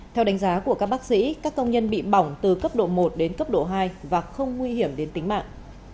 theo đánh giá của các bác sĩ các công nhân bị bỏng từ cấp độ một đến cấp độ hai và không nguy hiểm đến tính mạng